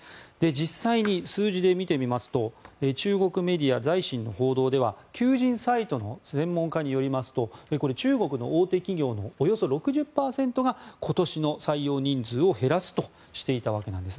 実際に数字で見てみますと中国メディア財新の報道では求人サイトの専門家によりますと中国の大手企業のおよそ６０％が今年の採用人数を減らすとしていたわけなんです。